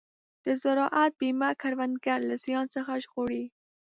د زراعت بیمه کروندګر له زیان څخه ژغوري.